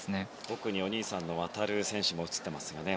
奥にお兄さんの航選手も映っていますね。